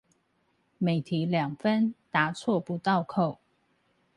每題兩分答錯不倒扣